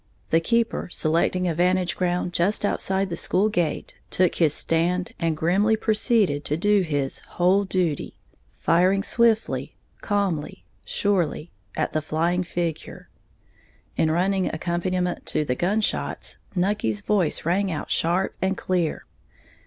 The keeper, selecting a vantage ground just outside the school gate, took his stand and grimly proceeded to do his "whole duty," firing swiftly, calmly, surely, at the flying figure. In running accompaniment to the gun shots, Nucky's voice rang out sharp and clear.